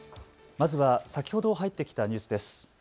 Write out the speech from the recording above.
まずは先ほど入ってきたニュースです。